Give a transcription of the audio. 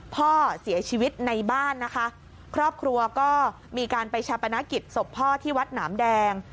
พ่อเสียชีวิตในบ้านนะคะครอบครัวก็มีการไปชาปนกิจศพพ่อที่วัดหนามแดง